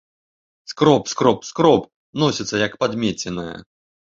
Скроб, скроб, скроб, носіцца, як падмеценая!